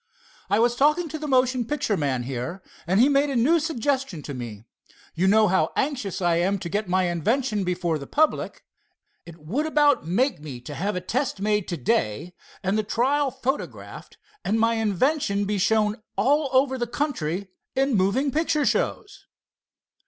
"I was talking to the motion picture man here, and he made a new suggestion to me. You know how anxious I am to get my invention before the public. It would about make me to have a test made to day, and the trial photographed, and my invention be shown all over the country in moving picture shows."